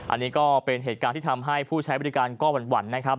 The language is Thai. อันนี้ก็เป็นเหตุการณ์ที่ทำให้ผู้ใช้บริการก็หวั่นนะครับ